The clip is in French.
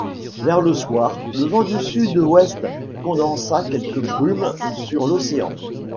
Vers le soir, le vent du sud-ouest condensa quelques brumes sur l’océan.